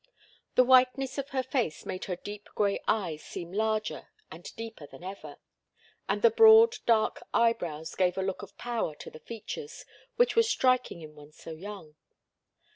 The whiteness of her face made her deep grey eyes seem larger and deeper than ever, and the broad, dark eyebrows gave a look of power to the features, which was striking in one so young.